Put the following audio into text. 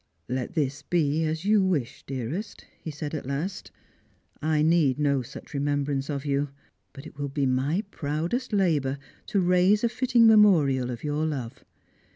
"Let this be as you wish, dearest," he said at last; " I need no such remembrance of you, but it will be my prwidest labour to raise a fitting memorial of your love.